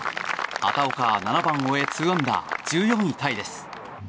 畑岡は７番を終え、２アンダー１４位タイです。